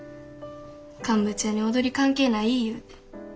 乾物屋に踊り関係ない言うて。